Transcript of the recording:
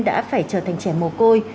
đã phải trở thành trẻ mồ côi